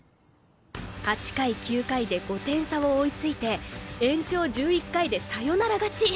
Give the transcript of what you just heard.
８回９回で５点差を追いついて延長１１回でサヨナラ勝ち！